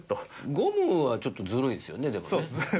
ゴムはちょっとずるいですよねでもね。